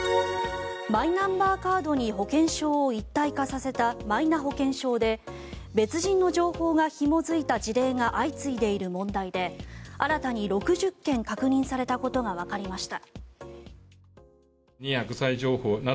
マイナンバーカードに保険証を一体化させたマイナ保険証で別人の情報がひも付いた事例が相次いでいる問題で新たに６０件確認されたことがわかりました。